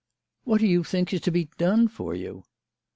" What do you think is to be done for you